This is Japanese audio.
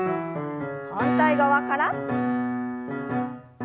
反対側から。